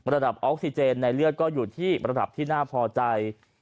ระดับออกซิเจนในเลือดก็อยู่ที่ระดับที่น่าพอใจ